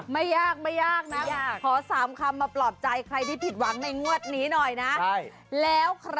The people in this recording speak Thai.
ไม่ยากไม่ยากนะขอ๓คำมาปลอบใจใครที่ผิดหวังในงวดนี้หน่อยนะ